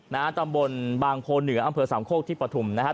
ตำบลบางโพเหนืออำเภอสามโคกที่ปฐุมนะครับ